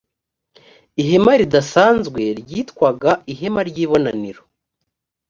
ihema ridasanzwe ryitwaga ihema ry ibonaniro